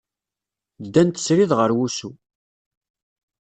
Ddant srid ɣer wusu.